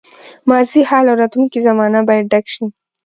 ماضي، حال او راتلونکې زمانه باید ډک شي.